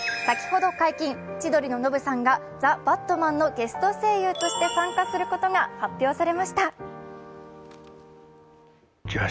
先ほど解禁、千鳥のノブさんが「ＴＨＥＢＡＴＭＡＮ−ザ・バットマン−」のゲスト声優として参加することが発表されました。